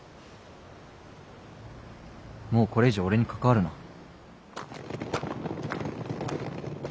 もうこれ以上俺に関わるな。